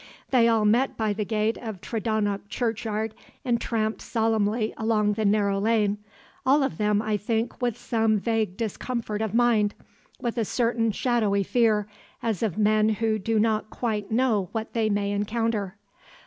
They all met by the gate of Tredonoc churchyard, and tramped solemnly along the narrow lane; all of them, I think, with some vague discomfort of mind, with a certain shadowy fear, as of men who do not quite know what they may encounter.